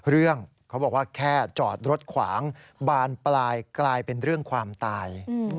เรื่องเขาบอกว่าแค่จอดรถขวางบานปลายกลายเป็นเรื่องความตาย